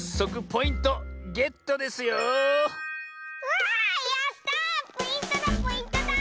ポイントだポイントだ！